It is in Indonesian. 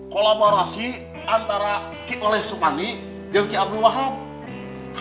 kolaborasi antara kita oleh sukani dan kita abdu wahab